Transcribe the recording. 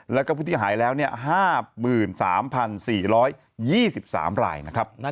แล้วก็ผู้ที่หายแล้ว๕๓๔๒๓รายนะครับ